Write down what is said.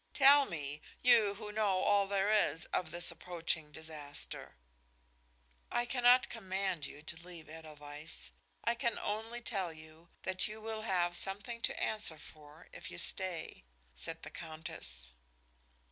Tell me, you who know all there is of this approaching disaster?" "I cannot command you to leave Edelweiss; I can only tell you that you will have something to answer for if you stay," said the Countess.